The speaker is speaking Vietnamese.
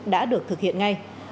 đã được thực hiện ngay